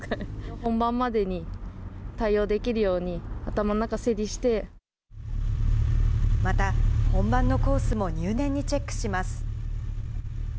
本番までに対応できるように、また、本番のコースも入念にチェックします。